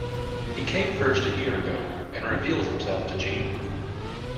He came first a year ago, and revealed himself to Jeanne.